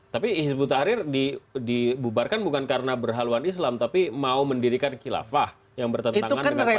tapi hizbut tahrir dibubarkan bukan karena berhaluan islam tapi mau mendirikan kilafah yang bertentangan dengan pancasila